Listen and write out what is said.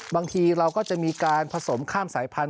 บางทีเราก็จะมีการผสมข้ามสายพันธ